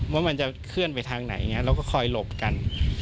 ว่ามันจะเคลื่อนไปทางไหนเราก็คอยหลบกัน